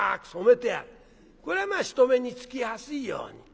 これはまあ人目につきやすいように。